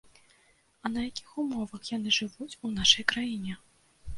А на якіх умовах яны жывуць у нашай краіне?